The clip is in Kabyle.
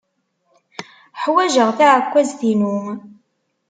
Ḥwajeɣ taɛekkazt-inu.